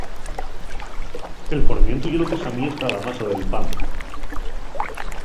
El formientu ye lo que s'amiesta a la masa del pan.